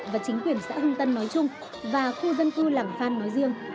và chính quyền xã hưng tân nói chung và khu dân cư làng phan nói riêng